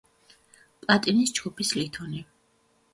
პლატინის ჯგუფის ლითონი.